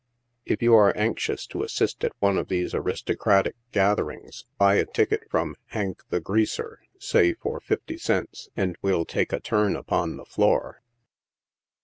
If you are anxious to assist at one of these aristocratic gatherings, buy a ticket from " Hank, the Greaser," say for fifty cents, and we'll take a turn upon the floor.